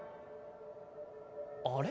あれ？